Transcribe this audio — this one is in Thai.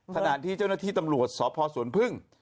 ขณะที่เจ้าหน้าที่ตำรวจสพสวนพึ่ง